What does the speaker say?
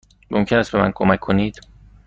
ممکن است به من کمک کنید؟